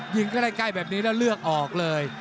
ยิงก็ได้ใกล้แบบนี้แล้วเลือกออกเลย